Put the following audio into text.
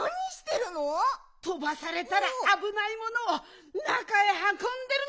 とばされたらあぶないものをなかへはこんでるの！